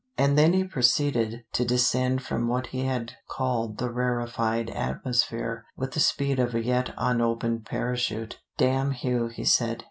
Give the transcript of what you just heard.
And then he proceeded to descend from what he had called the rarefied atmosphere with the speed of a yet unopened parachute. "Damn Hugh," he said.